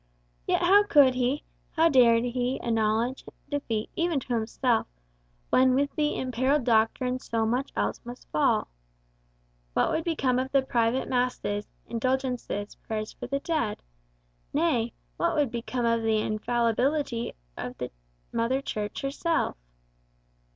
Yet, how could he, how dared he, acknowledge defeat, even to himself, when with the imperilled doctrine so much else must fall? What would become of private masses, indulgences, prayers for the dead? Nay, what would become of the infallibility of Mother Church herself?